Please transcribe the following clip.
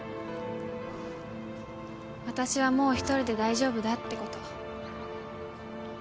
私はもう１人で大丈夫だって事。